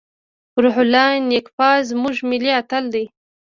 روح الله نیکپا زموږ ملي اتل دی.